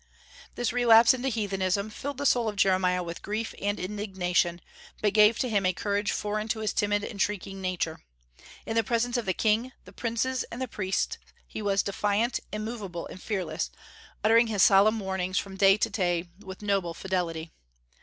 This relapse into heathenism filled the soul of Jeremiah with grief and indignation, but gave to him a courage foreign to his timid and shrinking nature. In the presence of the king, the princes, and priests he was defiant, immovable, and fearless, uttering his solemn warnings from day to day with noble fidelity.